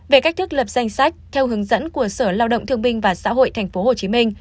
về cách thức lập danh sách theo hướng dẫn của sở lao động thương binh và xã hội tp hcm